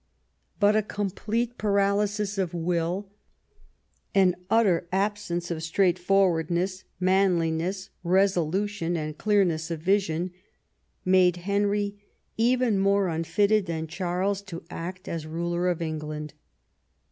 But a complete paralysis of will, an litter absence of straightforwardness, manliness, resolution, and clearness of vision, made Henry even more unfitted than Charles to act as ruler of England.